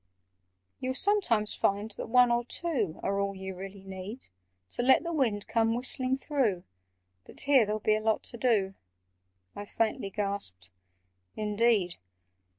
"You'll sometimes find that one or two Are all you really need To let the wind come whistling through— But here there'll be a lot to do!" I faintly gasped "Indeed!